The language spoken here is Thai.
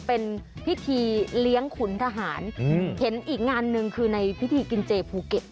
เป็นพิธีเลี้ยงขุนทหารเห็นอีกงานหนึ่งคือในพิธีกินเจภูเก็ต